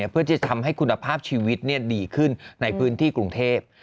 เพื่อจะทำให้คุณภาพชีวิตดีขึ้นในพื้นที่กรุงเทพ